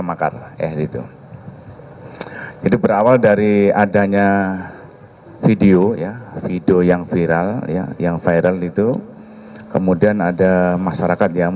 tahan dulu tahan